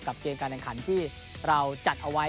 กับเกณฑ์การแรงขันที่เราจัดเอาไว้